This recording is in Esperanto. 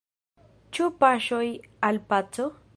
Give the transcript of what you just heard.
Ĉu paŝoj al paco?